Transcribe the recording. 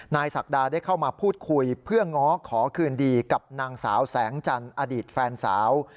ศักดาได้เข้ามาพูดคุยเพื่อง้อขอคืนดีกับนางสาวแสงจันทร์อดีตแฟนสาว